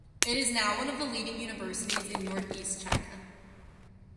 It is now one of the leading universities in Northeast China.